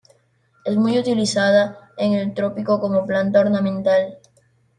Es muy utilizada en el trópico como planta ornamental.